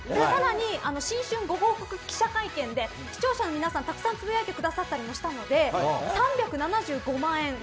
更に、新春ご報告記者会見で視聴者の皆さんたくさんつぶやいてくれたので３７５万円。